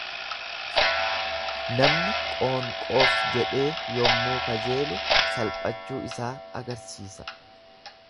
Namni qoonqoof jedhee yommuu kajeelu salphachuu isaa agarsisa.